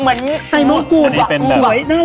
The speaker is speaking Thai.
เหมือนใส่เมืองกูกว่ากูไหมนั่นแหละไง